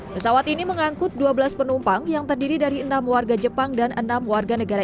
pesawat ini mengangkut dua belas penumpang yang terdiri dari enam warga jepang dan enam warga negara